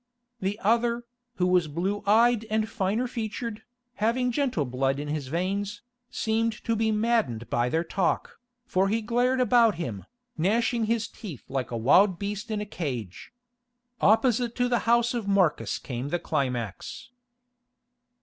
The other, who was blue eyed and finer featured, having gentle blood in his veins, seemed to be maddened by their talk, for he glared about him, gnashing his teeth like a wild beast in a cage. Opposite to the house of Marcus came the climax.